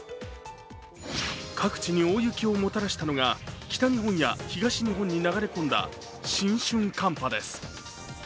各地に大雪をもたらしたのが北日本や東日本に流れ込んだ新春寒波です。